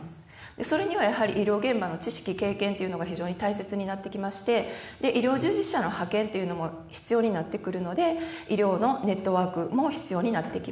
それにはやはり医療現場の知識経験っていうのが非常に大切になってきまして医療従事者の派遣っていうのも必要になってくるので医療のネットワークも必要になってきます